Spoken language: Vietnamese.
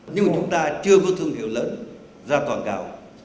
nhưng mà chúng ta chưa có thương hiệu lớn ra toàn cầu